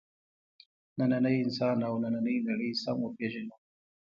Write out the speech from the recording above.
نننی انسان او نننۍ نړۍ سم وپېژنو.